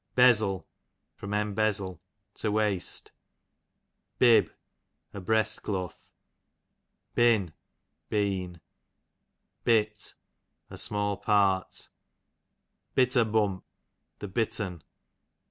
Bezzle,//'o;« einbe ^de, to waste. Bib, a breast doath. Bin, been. Bit, a small part. Bitter bump, the bittern.